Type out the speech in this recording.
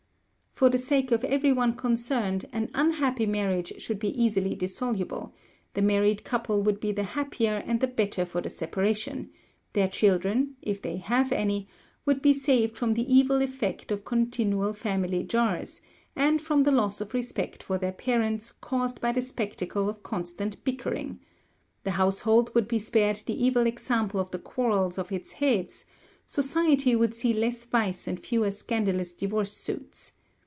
For the sake of everyone concerned an unhappy marriage should be easily dissoluble; the married couple would be the happier and the better for the separation; their children if they have any would be saved from the evil effect of continual family jars, and from the loss of respect for their parents caused by the spectacle of constant bickering; the household would be spared the evil example of the quarrels of its heads; society would see less vice and fewer scandalous divorce suits.